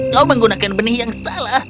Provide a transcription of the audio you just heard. kau menggunakan benih yang salah